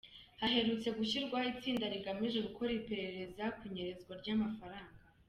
Haherutse gushyirwaho itsinda rigamije gukora iperereza ku inyerezwa ry’amafaranga.